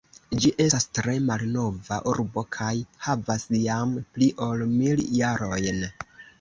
Ĝi estas tre malnova urbo kaj havas jam pli ol mil jarojn.